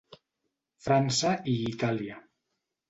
França i Itàlia.